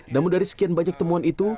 namun dari sekian banyak temuan itu